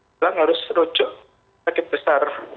bilang harus rujuk sakit besar